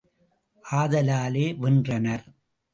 ஆத லாலே வென்றனர்!